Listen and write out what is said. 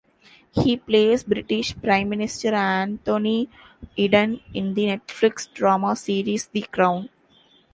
He plays British Prime Minister Anthony Eden in the Netflix drama series, "The Crown".